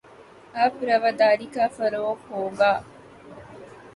اب رواداری کا فروغ ہو گا